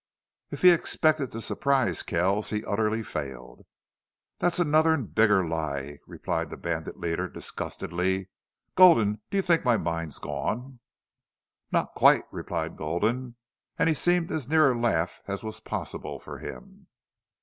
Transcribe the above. If he expected to surprise Kells he utterly failed. "That's another and bigger lie," replied the bandit leader, disgustedly. "Gulden, do you think my mind's gone?" "Not quite," replied Gulden, and he seemed as near a laugh as was possible for him.